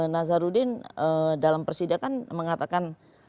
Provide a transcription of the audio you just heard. nazarudin dalam persidangan mengatakan